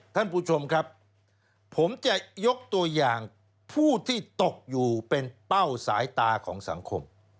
ท่านผู้ชมครับผมจะยกตัวอย่างผู้ที่ตกอยู่เป็นเป้าสายตาของสังคม